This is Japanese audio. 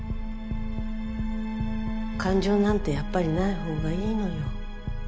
感情なんてやっぱりないほうがいいのよ。